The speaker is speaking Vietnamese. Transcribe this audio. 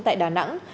tại đà nẵng